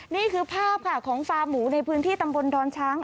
นี่คือภาพค่ะของฟาร์หมูในพื้นที่ตำบลดอนช้าง